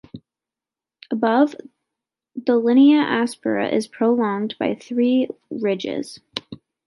Above, the linea aspera is prolonged by three ridges.